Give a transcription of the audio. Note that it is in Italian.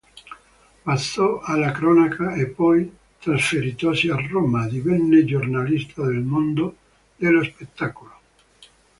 Passò alla cronaca e poi, trasferitosi a Roma, divenne giornalista del mondo dello spettacolo.